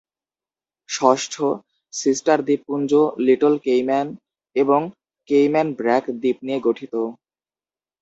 ষষ্ঠ, সিস্টার দ্বীপপুঞ্জ, Little Cayman এবং কেইম্যান ব্রাক দ্বীপ নিয়ে গঠিত।